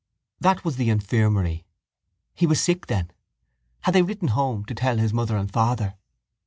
That was the infirmary. He was sick then. Had they written home to tell his mother and father?